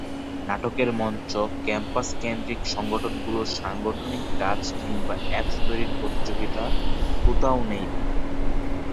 নাটকের মঞ্চ, ক্যাম্পাসকেন্দ্রিক সংগঠনগুলোর সাংগঠনিক কাজ কিংবা অ্যাপস তৈরির প্রতিযোগিতা—কোথায় নেই তিনি।